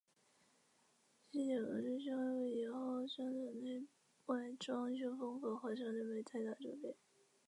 西九龙中心自开幕以后商场内外装修风格和商店都没太大的转变。